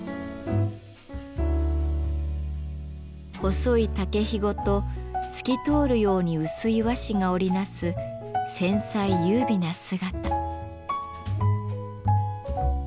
細い竹ひごと透き通るように薄い和紙が織り成す繊細優美な姿。